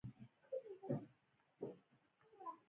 هغې د زړه له کومې د خوب ستاینه هم وکړه.